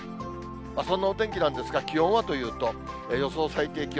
そんなお天気なんですが、気温はというと、予想最低気温。